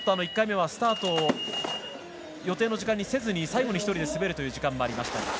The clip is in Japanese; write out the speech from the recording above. １回目はスタート予定の時間にできずに最後に１人で滑るという時間もありました。